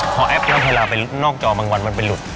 พอแอปแล้วเวลาไปนอกจอบางวันมันไปหลุด